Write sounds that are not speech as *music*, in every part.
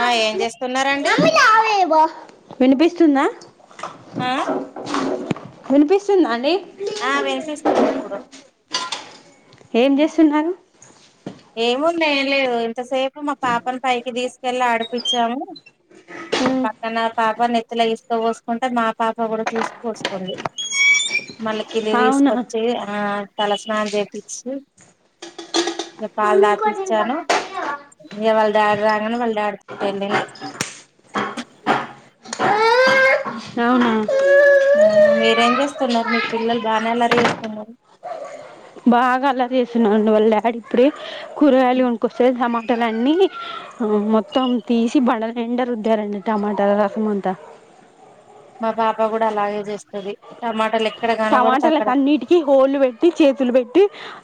ఆ ఏం చేస్తున్నారండి వినిపిస్తుందా ఆ వినిపిస్తుందా అండి ఆ వినిపిస్తుంది ఇప్పుడు ఏం చేస్తున్నారు ఏముంది లేదు ఎంత సేపు మా పాప పైకి తీసు కెళ్ళ ఆడిపిచ్చాము పక్కన పాప నెత్తెలా ఇసుక పోసుకుంటే మా పాప కూడా చూసి పోసుకోంది మళ్లీ కిందికి అవునా తీసుకొచ్చి ఆ తల స్నా స్నానం చేపిచ్చి ఇంక పాలు తాపిచ్చి చ్చాను ఇవాళ డాడీ రాగానే వాళ్ళ డాడీ తో వెళ్ళింది అవును మీ ఏం చేస్తున్నారు మీ పిల్లలు బాగానేలరీ చేస్తున్నారు బాగా అల్లరి చెస్ నన్ను వళ్ళడాడ్ ఇప్పుడే కూరగాయలు కొనికొస్తే సమాన్ బట్టలన్నీ మొత్తం తీసి బడ ఎండ రుద్దారండీ టమాటా రసము అంతా మా పాప కూడా అలాగే చేస్తుది టమాటలెక్క టమాటలకు అన్నిటికి హోళ్ళు పెట్టి చేతులు పెట్టి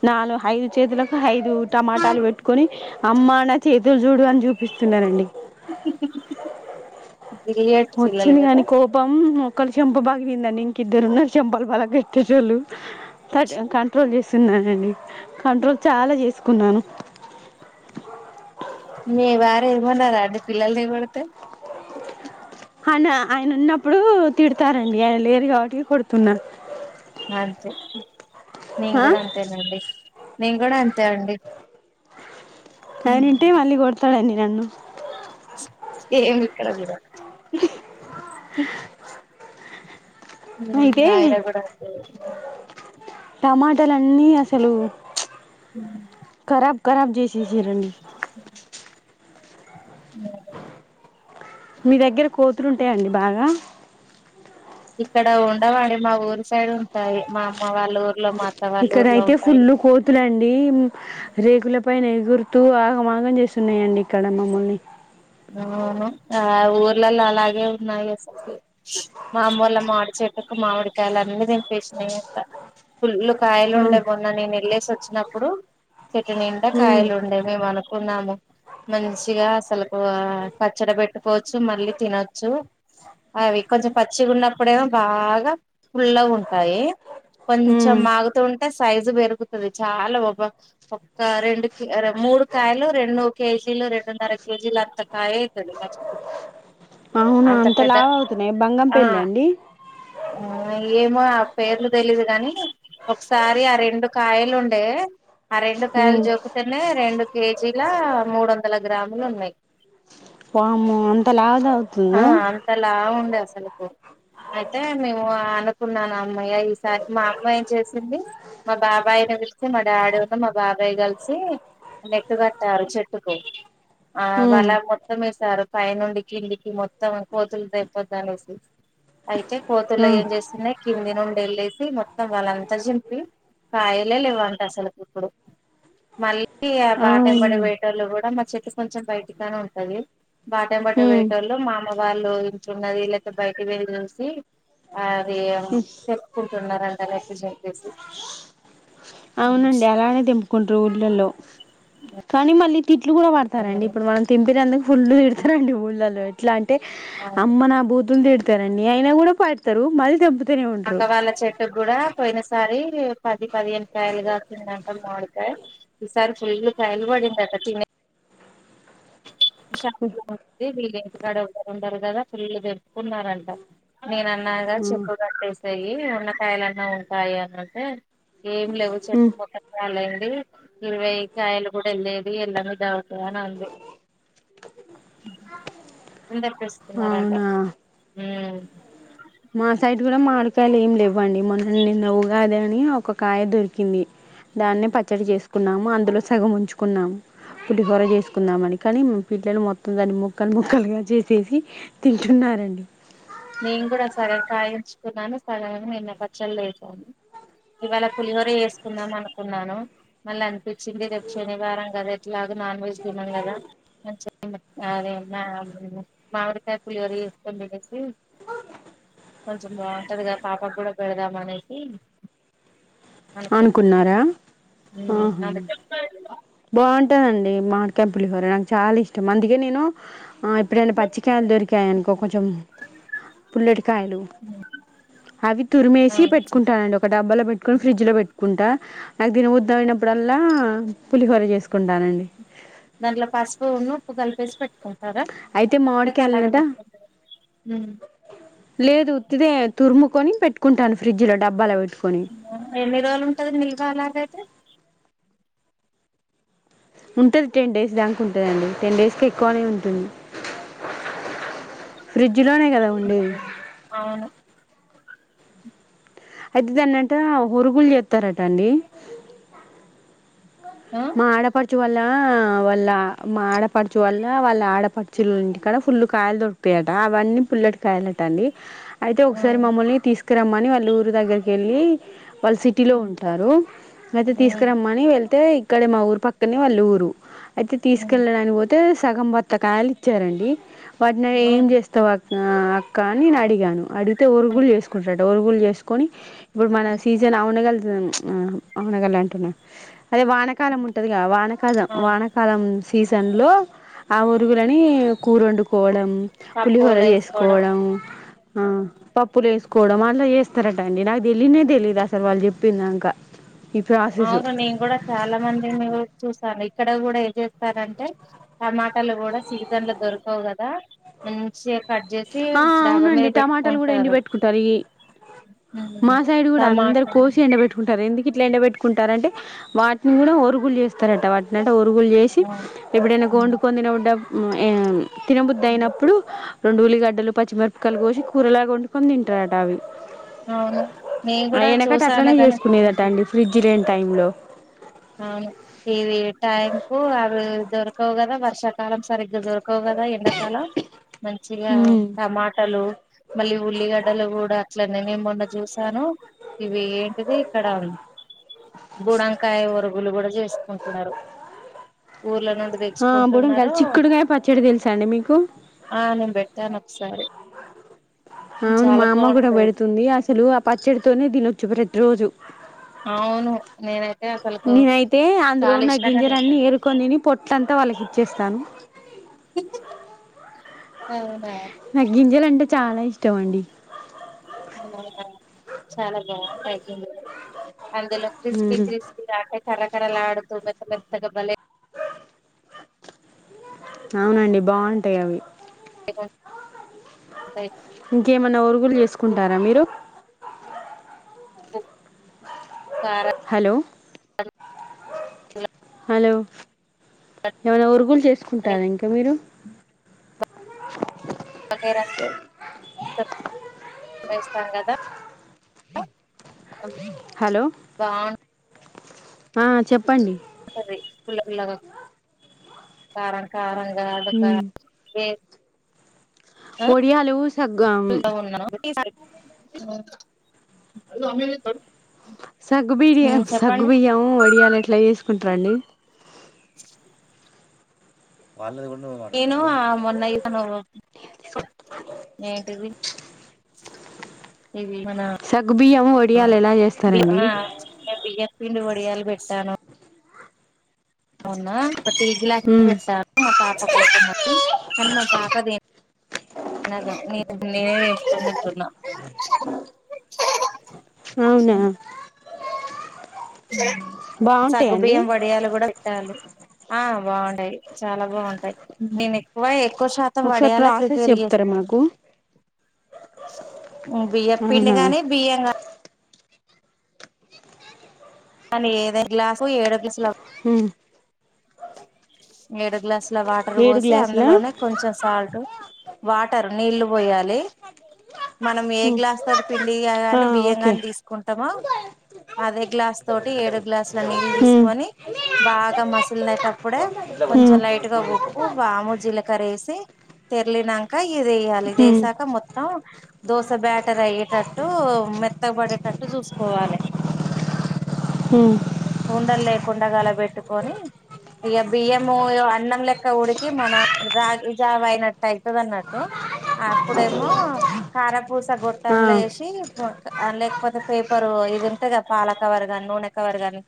నాలుగు ఐదు చేతులకు ఐదు టమాటాలు పెట్టుకొని అమ్మా అన్న చే ఇదో చూడు అని చూపిస్తున్నారండి గిల్లి పెట్టు పిల్లలు వచ్చింది కదా కాని కోపం శంభాగలింద నింద్దరు శంభా లా గట్టిజోలు త కంట్రోల్ చేస్తున్నానండి కంట్రోల్ చాలా చేసుకున్నాను మీ వారు ఏమనరా అండి పిల్లలు నీ కొడితే ఆన ఆయన ఉన్నప్పుడు తిడతారండి ఆయన లేరు కాబట్టి ఇగ కొడుతున్నా అంతే నేన్ ఆ కూడా అంతేనండి నేను కూడా అంతే అండి అనంటే మళ్ళీ కొడుతు సాడండి నన్ను *unintelligible* హా అ అయితే నాయడ కూడా అ టమ ట్టలన్నీ అసలు కరాబ్ కరాబ్ చేసి *inaudible* మీ దగ్గర కోతులుంటాయండి బాగా ఇక్కడ ఉండవండి మా ఊరు సైడ్ ఉంటాయి మా అమ్మ వాళ్ళ ఊర్ ఇక్కడ అయితే ఫుల్లు కోతులండి రేకుల పైన ఎ గురుతూ ఆగం ఆగం చేస్తున్నాయండి ఇక్కడ మమ్మల్ని అవును ఆ ఊర్లలో అలాగే ఉన్నాయి అసలుకి మాఅమ్మోళ్ళ మామిడి చెట్టు కు మామిడికాయలు అన్నీ తెంపేసినియంట పుల్లు కాయలు ఆ ఉండే మొన్నా నేను ఎళ్లేేసి వచ్చినా ఇప్పుడు చెట్టు నిండా హ్మ్ కాయలు ఉండే మేమనుకు న్నాము మంచిగా అసలు పచ్చడి పెట్టుకోవచ్చు మళ్ళీ తినొచ్చు అవి కొంచెం పచ్చిగా ఉన్నప్పుడేమో బాగా పుల్లగ ఉంటాయి కొంచెం హ్మ్ మాగుతూంట టె సైజు పెరుగుతుంది చాలా ఒక్క రెండు మూడు కాయలు రెండు కేజీలు రెండున్నర కేజీలంత్త కాయైతది పచ్చడి అవును అంత పెద్ద లావు అవుతున్నాయి బంగం ఆ పెళ్ళి అండి ఏమో ఆ పేర్లు తెలీయదు గాని ఒకసారి ఆ రెండు కాయలు ఉండే ఆ రెండు కాయలుల హ్మ్ జోకితెనె రెండు కేజీ లా మూడు వందల గ్రామ్ మ్ లున్నయ్ వామ్మో అంత లాద అవుతుంద లు కు అయితే మేము అనుకున్నాను హమ్మయ ఈసారి మా అమ్మ ఏం చేసింది మా బాబాయ్ ని పిలిసి మా డాడీతొ మా బాబాయ్ కలిసి నెట్టు కట్టారు చెట్టుకు ఆ హ్మ్ వల మొత్తం వేసారు పై నుండి కిందికి మొత్తం కోతులు తెంపోద్ద అనేసి అయితే ఆ కోతులు ఏం చేసినాయ్ కింది నుండి ఎళ్ళెసి మొత్తం వలంతా చింపి కాయలే లెవ్వంట అసలు ఇప్పుడు మళ్ళీ ఆ అవును బాటమ్మట పోయెటొళ్ళు కూడా మ చెట్ కొంచెం బయటిగానే ఉంటది బాటెమ్మట హ్మ్ పొయెటోళ్ళు మా అమ్మ వాళ్ళు ఇంచున్నది లేపోతే బయట వెళ్ళి చూసి ఆ హ్మ్ *unintelligible* చెప్పుకు న్నారంట నెట్ చింపేసి అవునండి అలానే దింపుకుంట్రారు ఊళ్ళలో కానీ మళ్ళీ తిట్లు కూడా పడతారండి ఇప్పుడు మనం తెంపినందుకు ఫుల్లు తిడతరండి ఊళ్ళలో ఇట్లాంటి టి అమ్మ నా బూతులు తిడ్ తారండి అయినా కూడా పడతరు మళ్ళి తెంపుత అక్క వాళ్ళ చెట్టు గూడా పోయిన సారి పది పదిహేను కాయలు కాసిందట మావిడికాయ్ ఈసారి ఫుల్ కాయలు పడిందట తినే ఓే *unintelligible* *inaudible* ఇంటికాడ ఎవరుండరు కదా ఫుల్ తెంపుకున్నారంట నేను అన్నాగా హ్మ్ చెప్పు కట్టేసెయి ఉన్న కాయలన్నా ఉంటాయి అని అంటే ఏం లేవు చెట్టు హ్మ్ మొత్తం కాలయింది ఇరవై కాయలు కూడా ఎల్లేది ఎల్లనిది డౌట్ అని అంది అందరు తెస్తున్నారంట అవునా హ్మ్ మా సైడ్ కూడా మాడికాయలు ఏం లేవ్వండి, మొన్న్ నిన్న ఉగాదని ఒక్క కాయ దొరికింది. దాన్ని పచ్చడి చేస్ కున్నాము అందులో సగం ఉంచుకున్నాము పులిహోర చేసుకుందామని. కానీ పిల్లలు మొత్తం దాన్ని ముక్కలు ముక్కలుగా చేసేసి తింటున్నారండి. నేను కూడా సగం కాయుంచుకున్నాను సగం నిన్న పచ్చల్లో వేశాను. ఇవ్వాళ పులిహోర చేసుకుందాం అనుకున్నాను, మళ్ళనిపిచ్చింది రేపు శనివారం కదా ఎట్లాగో నాన్ వెజ్ తినం కదా మంచిగా తిందాం అదే నా మ్మ్ మామిడికాయ పులిహోర చేసుకొని తినేసి కొంచెం బాగుంటదిగా పాపగ్గూడ పెడదామనేసి. అనుకున్నది. అనుకున్నారా మ్మ్ అందు బావుంటదండి మాడ్కై పులిహోర నాకు చాలా ఇష్టం అందుకే నేను ఆ ఎప్పుడైనా పచ్చికాయలు దొరికాయనుకో కొంచెం పుల్లటికాయలు అవి ఆ, తురిమేసి పెట్టుకుంటానండి ఒక డబ్బాలో పెట్టుకోని ఫ్రిడ్జ్లో పెట్టుకుంటా. ఐతే నువ్వొద్దన్నప్పుడల్లా పులిహోర చేసుకుంటానండి. దాంట్లో పసుపును ఉప్పు కలిపేసి పెట్టుకుం ఉమ్. లేదు ఉత్తిదే తురుము కొని పెట్కుంటాను ఫ్రిడ్జ్ లో డబ్బాల పె ఎన్ని రోజులుంటాది నిల్వ అలాగైతే? ఉంటది టెన్ డేస్ దాంక ఉంటదండి. టెన్ డేస్ కి ఎక్కువనే ఉంటుంది ఫ్రిడ్ డ్జ్ లోనే గదా ఉండేది. అవును అయితే దాన్నంటా ఒరుగులు జేత్తారట అండి. ఆ మా ఆడపడ్ చు వాళ్ళ వాళ్ళ మా ఆడపడుచు వాళ్ళ వాళ్ళ ఆడపడుచులోలింటి కాడా ఫుల్లు కాయలు దొర్ క్ తయట అవన్నీ పుల్లటి కాయలటండి. అయితే ఒకసారి మమ్మల్ని తీస్క్ రమ్మని వాళ్ళూరు దగ్గరికెళ్ళి వాళ్ళు సిటీ లో ఆ. ఉంటారు. గైతే తీసుకురమ్మని వెళ్తే ఇక్కడే మా ఊరు పక్కనే వాళ్ళూరు. అయితే తీసుకెళ్లడానికి పోతే సగం బత్తాకాయలు ఇచ్చారండి. వాటిని నువ్వేం చేస్తా వ ఆ అక్క అని నేను అడిగాను అడిగితే ఒరుగులు చేసుకుటరట, ఒరుగులు చేసుకొని ఇప్పుడు మన సీజన్ ఔనగల్ ఆ ఆ ఔనగల్ అదే వా కాలం ఉంటదిగా వానకాలం వానకాలం. సీజన్ లో ఆ ఒరుగులని కూరొండు కు కోవడం పులిహోర తక్కువలో వేసుకోవడం చేసుకోవడం. ఆ పప్పులు వేసుకోవడం అలా చేస్తారట అండి నాకు తెలీయనే తెలిలీదు అసలు వాళ్ళు చెప్పిందాంక అవును నీన్ కూడా చాలా మంది మీ చూసను ఇక్ ఇక్కడ కూడా ఏం చేస్తారంటే టమాటాలు కూడా సీజన్ లో దొరకవు కదా మంచిగ ఆ అవునండి టమాటాలు కూడా ఎండీ పెెట్టుకుంటారు ఇ మా ఉమ్, సైడ్ కూడా అందరు టమాటా కోసి ఎండ పెెట్టుకుంటారు ఎందుకి ట్ల ఎండబెట్టుకుంటారు అంటే వాటిని కూడా ఒరుగులు చేస్ స్తారట వాటినట ఒరుగులు చేసి ఆ, ఎప్పుడైనా ఉమ్, వండుకొనితినబు దప్ తినబుద్ధయినప్పుడు రెండుల్లి గలు పచ్చిమిరపికయలు కోసి కూరలాగా వండుకొని తింటారట అవి అవును నేను ఆ కూడా ఎనకట్ట చూసాను అట్లనే కానీ ఎప్పుడు చేసుకునేదట తినలేదు. అండి ఫ్రిడ్జ్ లేని టైం లో అవును ఇవి టైం కు అవి దొరకవు కదా వర్షాకాలం సరిగ్గా దొర కవు గదా ఎండకాల మంచిగా టమాటాలు మళ్ళీ ఉల్లిగ డ్డలు కూడా అట్ల నే నెం మొన్న చూసాను ఇవి ఏంటిది ఇక్కడ బూడంకాయ ఒ రుగులు కూడా చేసుకుంటున్నారు ఊర్ల నుండి ఆ బుడంకాయలు తెచ్చుకుంటున్నారు చిక్కుడుగాయ పచ్చడి తెలుసాండి మీకు ఆ నేను పెట్టాను ఒకసారి అవును చాలా మా అమ్మ కూడా బాగుంటది పెడుతుంది అసలు ఆ పచ్చడితోనే తినొ చ్చు ప్రతి రోజు అవును నేనైతే అసలుకు నేనైతే అందులో చాలా ఉన్న ఇష్టంగా గింజలన్ని తింటాను ఏరుకొనితిని పొట్లంతా వాళ్ళక్ కిచ్చేస్తాను అవునా నాకు గింజలు అంటే చాలా ఇష్టం అండి అవున చాలా బాగుంటాయి అందులో క్రిస్పీ ఉహు క్రిస్పీ దక కరకరలాడుతు మెత్తమెత్తగా బలే అవునండి బాగుంటాయి అవి అ ఇంకేమన్నా ఒరుగులు చేసుకుంటారా మీరు ఉ హలో హలో ఎమన్న ఒరుగుల్ చేసుకుంటారా ఇంకా మీరు ర సం వేస్తాం కదా హలో బాగుంటది ఆ చెప్పండి ఉంటది పుల్ల పుల్ల గా కారం కారం కాదు ఉమ్ కాదు గే ఒడియాలు స్ సగ్గం ఈ సారి కి సగ్గు బిడియం సగ్గు బియ్యం వడియాలు ఎట్లా చేసుకుంటారండి వాళ్ళది కొన్ నేను ఆ మొన్న ఇతను ఏంటిది ఇవి మన సగ్గుబియ్యం ఒడియాలు ఎలా చేస్తారండి ఆ చిన్న బియ్యప్ పిండి ఓడ్ వడియాలు పెట్టాను మొన్నా టీ గ్లాస్ లో ఉమ్ పెట్టాను మా పాప కోసం అని కాన్ మా పాప తినద్ నేనే వెంపుకొని తింటున్నా అవునా అ సగుబియ్యం వడియాలు కూడా పెట్టాలి ఆ బాగుంటాయి చాలా బాగుంటాయి నేను ఎక్కువ ఎక్కువ శాతం ఒకసారి వడయాల ప్రాసెస్ ప్రిపేర్ చెప్తారా చేస్తాను మాకు బియ్య పిండి అవునా ని బియ్యం ని కానీ ఏదో గ్లాసు ఏడ గ్లాసు లు ఆ ఏడు గ్లాస్ ఇలా వాటర్ ఏడు పోసి గ్లాసులా అందులోనే కొంచెం సాల్ట్ వాటర్ నీళ్లు పోయాలి మనం ఏ ఉమ్ గ్లాస్ తోటి పిండి ఆ కాగానే ఓకే బియ్యంగాని తీసుకుంటామో అదే గ్లాస్ తోటి ఏడు గ్లాసుల నీళ్ళు హ్మ్ తీసుకొని బాగా మసలినట్ కూడా కొంచెం హ్మ్ లైట్ గా ఉప్పు బము జీలకర్ర వే తెర్లినంక ఇది వేయాలి ఇది హ్మ్ వసాక మొత్తం దోస బ్యాటర్ అయ్యేటట్టు మెత్తగబడేటట్టు చూసుకోవాలి హ్మ్ ఉండలు లేకుడాగా అలా పెట్టుకొని ఇక బియ్యము ఇ అన్నం లెక్క ఉడికి మన రాగి జాగ అయినట్టు అవుతుది అన్నట్టు అప్పుడేమో కారపూస ఆ గొట్టంలో వేసి లేకపోతే పేపరు ఇది ఉంటే కదా పాలకవర్ కాని నూనె కవర్ కాని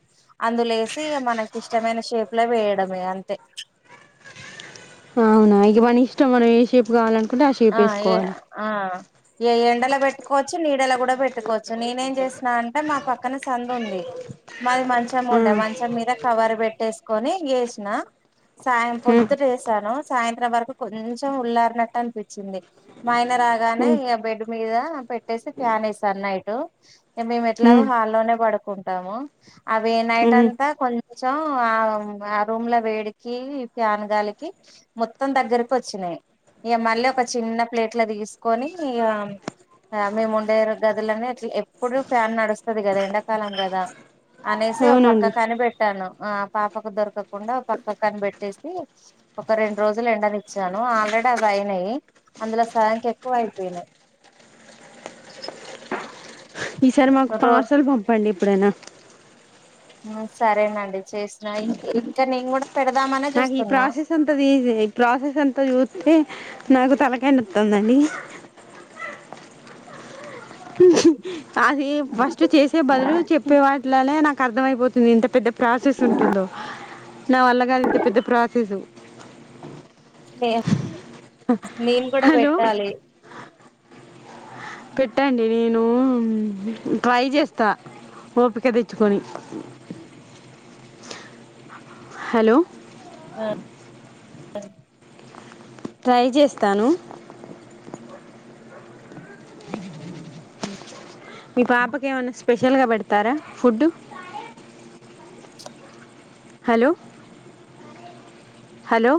అందులో వసి మనకి ఇష్టమైన షేప్ అట్లా వేయడమే అంతే వునా ఇగ మనా ఇష్టం మన చెప్పుగావాలం ఆ ఏ ఆ ఏ ఎండల పెట్టుకోవచ్చు నీడలో కూడా పెట్టుకోవచ్చు నేనేం చేసినా అంటే మా పక్కన సందు ఉంది మది మంచమ్ ఉండ హ్మ్ మంచం మీద కవర్ పెట్టేసుకొని వేసిన సాయం హ్మ్ పొద్దుట వేసాను సాయంత్రం వరకు కొంచెం ఉల్లారనట్టు అనిపించి వచ్చింది మయైన రాగానే హ్మ్ ఈ బెడ్ మీద పెట్టేసి ఫ్యాన్ వేసాను నైటు మేమట్లగో హాల్లోనే పడు కుంటము అ నైట్ హ్మ్ అంతా కొంచం ఆ ఆ రూమ్ లో వేడికి ఫ్యాన్గాలికి మొత్తం దగ్గరికి వచ్చినాయి ఇగా మళ్ళ ఒక చిన్న ప్లేట్ల తీసుకొని మేము ఉండే గదులనే అట్లా ఎప్పుడు ఫ్యాన్ నడుస్తుంది కదా ఎండాకాలం కదా అనే అవునండి పక్కకని బెట్ ట్టాను ఆ పాపకు దొరకకుండా పక్క కని పెట్టేసి ఒక రెండు రోజులు ఎండనిచ్చాను ఆల్రెడీ అవి అయినయి అందులో సగానికి ఎక్కువ అయిపోయినాయి ఈసారి మాకు రో పార్సల్ పంపండి ఎప్పుడైనా సరేనండి చేసిన ఇం ఇంకా నేను కూడా పెడత నాకు ఈ ప్రాసెస్ అంతది ఈజ ఈ ప్రాసెస్ ఎంత చూస్తే నాకు తలకెండ మత్తందండి *inaudible* అది ఫస్ట్ చేసే బదులు చెప్పే వాటిలనే నాకు అర్థమైపోతుంది ఇంత పెద్ద ప్రాసెస్ ఉంటుందో నా వల్ల గాదు ఇంత పెద్ద ప్రాసెస్ లే నేను కూడా హలో పెట్టాలి పెట్టండి నేను ట్రై చేస్తా ఓపిక తెచ్చుకొని హలో ఆ సే ట్రై చేస్తాను ఉ మీ పాపకేమన్నా స్పెషల్గా పెడతారా ఫుడ్ హలో హలో